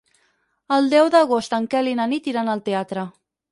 El deu d'agost en Quel i na Nit iran al teatre.